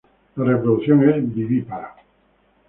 La reproducción es vivípara.